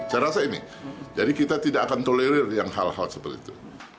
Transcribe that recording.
saya rasa ini jadi kita tidak akan tolerir yang hal hal seperti itu